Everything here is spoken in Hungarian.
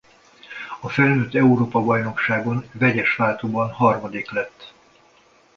A felnőtt Európa-bajnokságon vegyes váltóban harmadik lett.